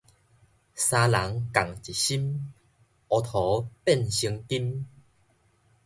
三人共一心，烏塗變成金